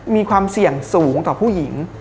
มีความเสี่ยงสูงต่อผู้หญิง